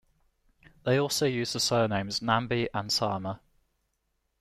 They also use the surnames Nambi and Sarma.